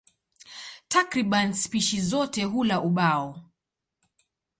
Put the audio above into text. Takriban spishi zote hula ubao.